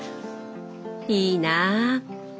いいな。